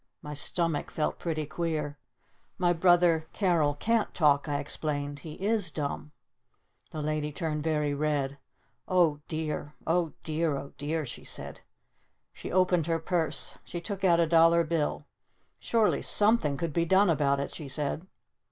My stomach felt pretty queer. "My brother Carol can't talk," I explained. "He is dumb!" The Lady turned very red. "Oh dear Oh dear Oh dear," she said. She opened her purse. She took out a dollar bill. "Surely something could be done about it!" she said.